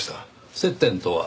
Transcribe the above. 接点とは？